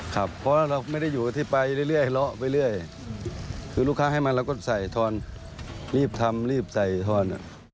ครับเพราะว่าเราไม่ได้อยู่ที่ไปเรื่อยเลาะไปเรื่อยคือลูกค้าให้มาเราก็ใส่ทอนรีบทำรีบใส่ทอน